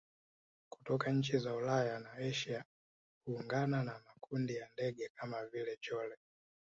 kutoka nchi za Ulaya na Asia huungana na makundi ya ndege kama vile chole